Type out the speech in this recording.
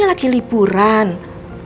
kita harus pulang ma